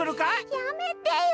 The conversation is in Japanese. やめてよ。